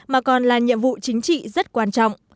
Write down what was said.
mà còn là nhiệm vụ chính trị rất quan trọng